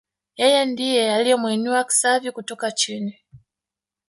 yeye ndiye alimwinua Xavi kutoka chini